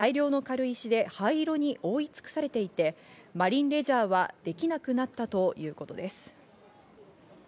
またリゾートホテルが管理する白い砂浜も大量の軽石で灰色に覆い尽くされていて、マリンレジャーはできなくなったということです。